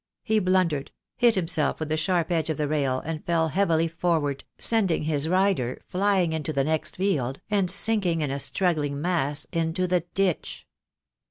He blundered, hit himself with the sharp edge of the rail, and fell heavily forward, sending his rider flying into the next field, and sinking in a struggling mass into the ditch.